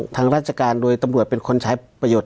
ทางราชการโดยตำรวจเป็นคนใช้ประโยชน